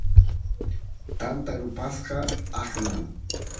tanta rupasqa aqnan